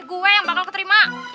gue yang bakal keterima